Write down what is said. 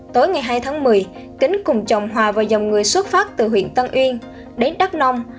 tối ngày hai tháng một mươi kính cùng chồng hòa vào dòng người xuất phát từ huyện tân uyên đến đắk nông